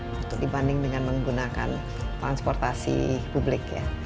untuk dibanding dengan menggunakan transportasi publik ya